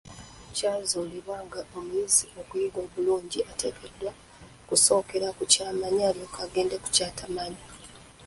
Kyazuulibwa nga omuyizi okuyiga obulungi, ateekeddwa kusookera ku kyamanyi alyoke agende ku kyatamanyi.